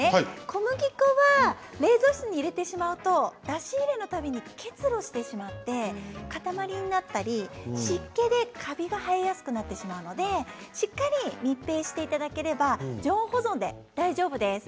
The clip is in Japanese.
小麦粉は冷蔵室に入れてしまうと出し入れのたびに結露してしまって塊になったり湿気でカビが生えやすくなってしまうので、しっかり密閉をしていただければ常温保存で大丈夫です。